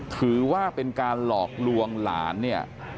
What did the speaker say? ถือว่าเป็นการหลอกลวงหลานเนี่ย